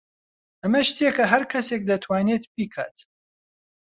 ئەمە شتێکە هەر کەسێک دەتوانێت بیکات.